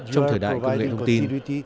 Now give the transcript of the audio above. trong thời đại công nghệ thông tin